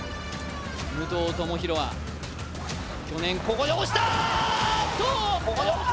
武藤智広は、去年ここで落ちた。